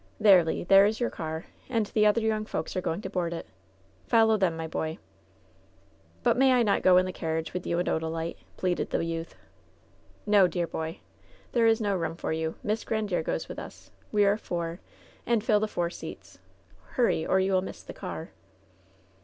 There, Le. There is your car, and the other young folks are going to board it. Follow them, my boy." "But may I not go in the carriage with you and Oda lite ?" pleaded the youth. "No, dear boy. There is no room for you. Miss Grandiere goes with us. We are four, and fill the four seats. Hurry, or you will miss the car."